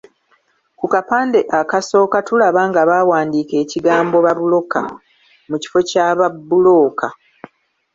Ku kapande akasooka tulaba nga baawandiika ekigambo ‘Babuloka’ mu kifo kya ‘Ba bbulooka.’